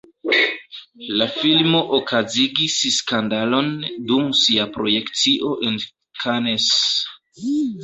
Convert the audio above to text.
La filmo okazigis skandalon dum sia projekcio en Cannes.